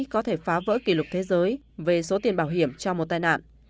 có thể phá vỡ kỷ lục thế giới về số tiền bảo hiểm cho một tai nạn